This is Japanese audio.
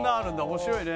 面白いね。